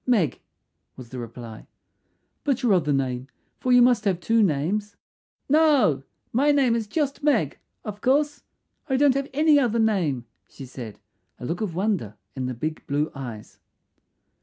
"Meg," was the reply. "But your other name, for you must have two names." "No, my name is just Meg, of course; I don't have any other name," she said, a look of wonder in the big blue eyes.